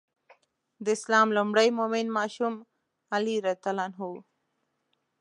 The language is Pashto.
د اسلام لومړی مؤمن ماشوم علي رض و.